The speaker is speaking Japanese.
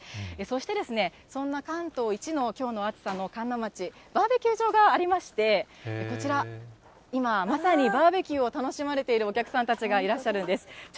そして、そんな関東一のきょうの暑さの神流町、バーベキュー場がありまして、こちら、今まさにバーベキューを楽しまれているお客さんたちがいらっしゃるんです。